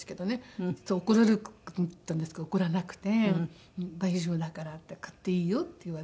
怒られるかと思ったんですけど怒らなくて「大丈夫だから」って「飼っていいよ」って言われて。